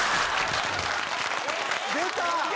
出た！